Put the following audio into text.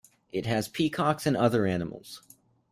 It has peacocks and other animals.